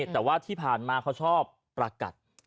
แต่ว่าที่ผ่านมาเขาชอบประกัด